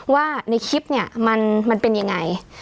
ว่าในคลิปเนี่ยมันเป็นยังไง